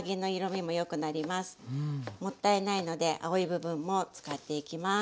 もったいないので青い部分も使っていきます。